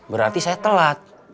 berarti saya telat